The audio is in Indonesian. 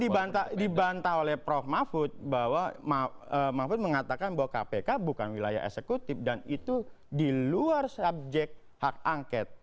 dibantah oleh prof mahfud bahwa mahfud mengatakan bahwa kpk bukan wilayah eksekutif dan itu di luar subjek hak angket